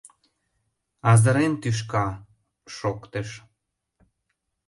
— Азырен тӱшка! — шоктыш.